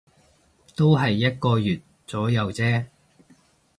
都係一個月左右啫